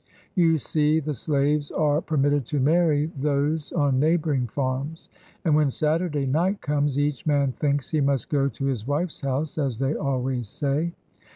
You see, the slaves are per mitted to marry those on neighboring farms; and when Saturday night comes, each man thinks he must ' go to his wife's house,' as they always say.